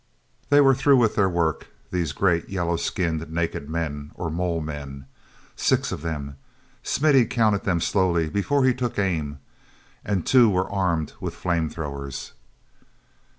They were through with their work, these great yellow skinned naked men—or mole men. Six of them—Smithy counted them slowly before he took aim—and two were armed with flame throwers.